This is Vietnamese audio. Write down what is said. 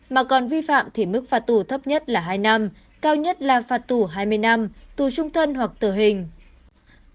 mà còn vi phạm thì mức phạt tù thấp nhất là hai năm cao nhất là phạt tù hai mươi năm tù trung thân hoặc tử hình